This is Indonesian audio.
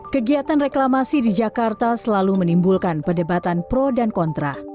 kegiatan reklamasi di jakarta selalu menimbulkan perdebatan pro dan kontra